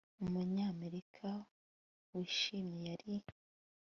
Umunyamerika wishimye yari